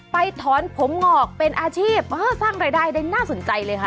ถอนผมงอกเป็นอาชีพสร้างรายได้ได้น่าสนใจเลยค่ะ